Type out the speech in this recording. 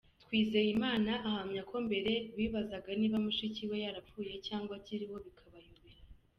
Twizeyimana ahamya ko mbere bibazaga niba mushiki we yarapfuye cyangwa akiriho bikabayobera.